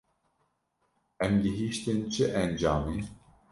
Em gihîştin çi encamê?